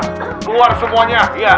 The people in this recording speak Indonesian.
keluar semuanya ya